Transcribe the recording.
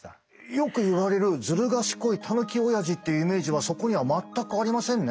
よく言われるずる賢いタヌキおやじっていうイメージはそこには全くありませんね。